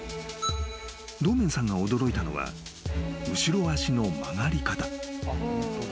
［堂面さんが驚いたのは後ろ脚の曲がり方］